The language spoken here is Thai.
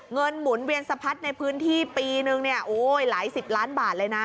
หมุนเวียนสะพัดในพื้นที่ปีนึงเนี่ยโอ้ยหลายสิบล้านบาทเลยนะ